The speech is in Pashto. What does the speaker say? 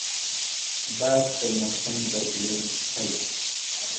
باد د موسم بدلون ښيي